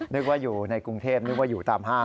นึกว่าอยู่ในกรุงเทพนึกว่าอยู่ตามห้าง